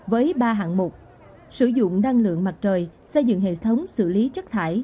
với ba hạng mục sử dụng năng lượng mặt trời xây dựng hệ thống xử lý chất thải